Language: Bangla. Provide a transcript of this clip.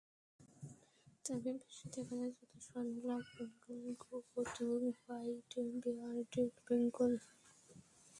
তবে বেশি দেখা যায় চতুষ্পদ ব্ল্যাক বেঙ্গল গোট এবং হোয়াইট বেয়ার্ডেড বেঙ্গল।